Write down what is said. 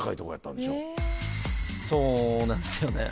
そうなんですよね。